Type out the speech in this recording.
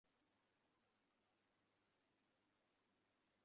শ্রোতৃ-সংখ্যা যে ঐ হারে ক্রমশ বাড়তে থাকবে, তাতে আমার কোন সন্দেহ নেই।